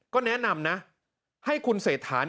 ก็แนะนำนะให้คุณเศรษฐา